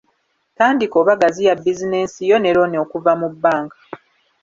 Tandika oba gaziya bizinensi yo ne looni okuva mu bbanka.